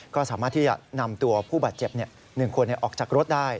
ก็สามารถที่จะนำตัวผู้บาดเจ็บ๑คนออกจากรถได้